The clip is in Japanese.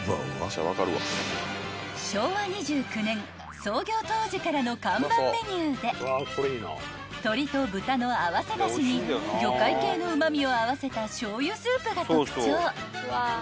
［昭和２９年創業当時からの看板メニューで鶏と豚の合わせだしに魚介系のうま味を合わせたしょうゆスープが特徴］